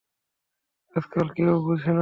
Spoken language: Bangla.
আজকাল কেউ বোঝে না।